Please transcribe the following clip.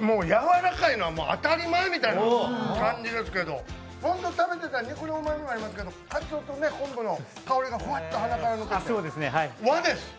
もうやわらかいのは当たり前みたいな感じですけど、食べてたら肉のうまみもありますけど、かつおと昆布の香りがふわっと香って、和です。